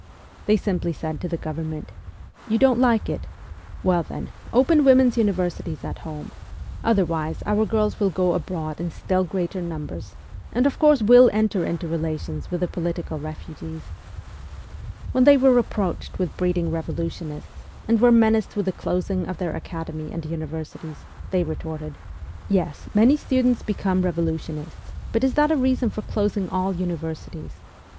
They simply said to the Government, ' You don't like it ? "Well, then, open women's universities at home ; otherwise our girls will go abroad in still greater numbers, and of course will enter into relations with the political refugees.' When they were reproached with breeding revolutionists, and were menaced with the closing of their academy and universities, they retorted, ' Yes, many students become revolutionists; but is that a reason for closing all universities